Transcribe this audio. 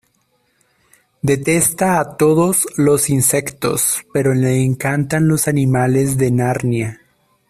Detesta a todos los insectos, pero le encantan los animales de Narnia.